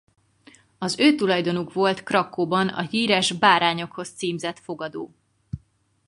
Az ő tulajdonuk volt Krakkóban a híres Bárányokhoz címzett fogadó.